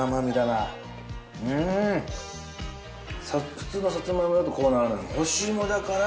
普通のサツマイモだとこうならない。